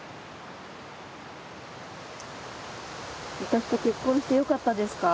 私と結婚してよかったですか？